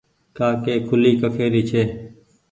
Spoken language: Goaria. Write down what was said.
ڪآ ڪي کوُلي ڪکي ري ڇي